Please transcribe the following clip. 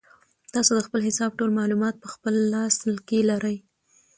تاسو د خپل حساب ټول معلومات په خپل لاس کې لرئ.